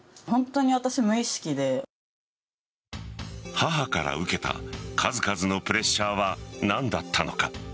母から受けた数々のプレッシャーは何だったのか。